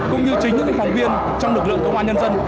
cũng như chính những phóng viên trong lực lượng công an nhân dân